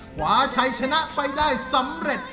ขวาชัยชนะไปได้สำเร็จ